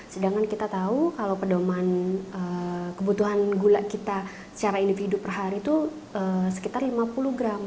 sedangkan kita tahu kalau pedoman kebutuhan gula kita secara individu per hari itu sekitar lima puluh gram